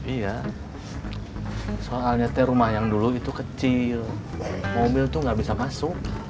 iya soalnya teh rumah yang dulu itu kecil mobil itu nggak bisa masuk